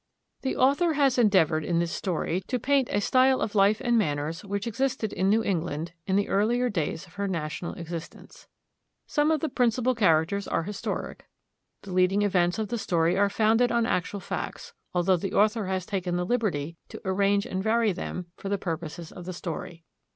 The author has endeavoured in this story to paint a style of life and manners which existed in New England in the earlier days of her national existence. Some of the principal characters are historic: the leading events of the story are founded on actual facts, although the author has taken the liberty to arrange and vary them for the purposes of the story.